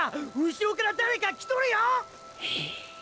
後ろから誰か来とるよ